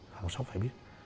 hàng xóm phải biết